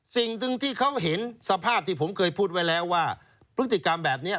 สิ่งหนึ่งที่เขาเห็นสภาพที่ผมเคยพูดไว้แล้วว่าพฤติกรรมแบบนี้